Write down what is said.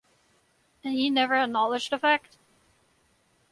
And he never acknowledged the fact?